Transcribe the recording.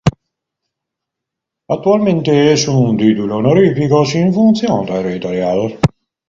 Actualmente es un título honorífico sin función territorial.